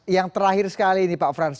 yang terakhir sekali ini pak frans